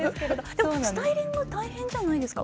でもスタイリングは大変じゃないですか。